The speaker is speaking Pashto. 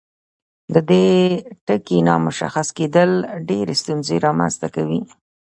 د دې ټکي نامشخص کیدل ډیرې ستونزې رامنځته کوي.